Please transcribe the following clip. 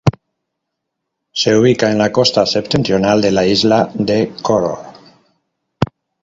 Se ubica en la costa septentrional de la isla de Koror.